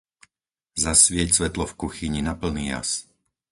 Zasvieť svetlo v kuchyni na plný jas.